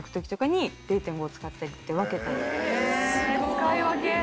使い分け。